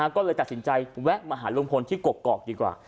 ก็เลยตัดสินใจแวะมาหาลุงพลที่กกอกดีกว่า